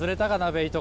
ベイト